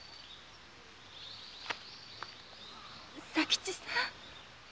左吉さん。